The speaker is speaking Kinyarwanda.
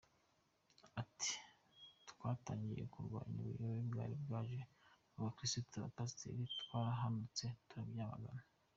Ati “Twatangiye kurwanya ubuyobe bwari bwaje mu bakirisitu, abapasiteri twarahagurutse turabyamagana.